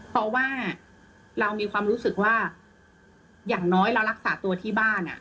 เพราะว่าเรามีความรู้สึกว่าอย่างน้อยเรารักษาตัวที่บ้าน